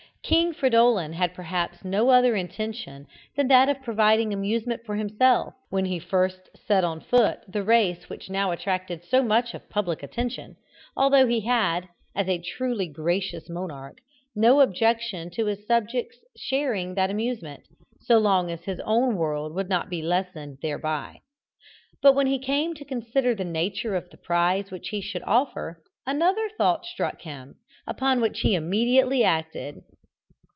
King Fridolin had perhaps no other intention than that of providing amusement for himself, when he first set on foot the race which now attracted so much of public attention, although he had, as a truly gracious monarch, no objection to his subjects sharing that amusement, so long as his own would not be lessened thereby. But when he came to consider the nature of the prize which he should offer, another thought struck him, upon which he had immediately acted.